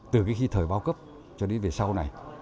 từ khi thời bao cấp cho đến về sau này